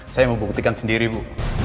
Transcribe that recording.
saya mau buktikan sendiri bu